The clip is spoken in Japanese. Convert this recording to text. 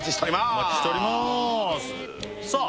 お待ちしておりますさあ